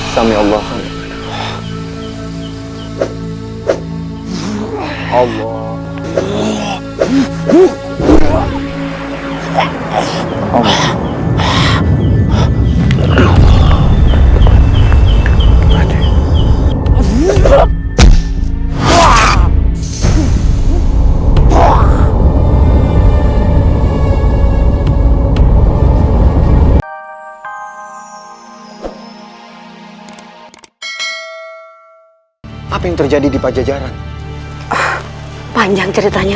sampai jumpa di video selanjutnya